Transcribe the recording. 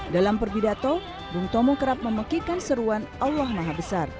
dalam perpidato bung tomo kerap memekikkan seruan allah maha besar